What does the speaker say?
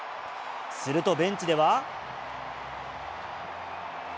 するとベンチでは。